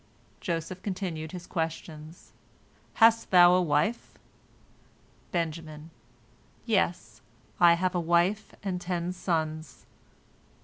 Joseph continued his questions: "Hast thou a wife?" Benjamin: "Yes, I have a wife and ten sons."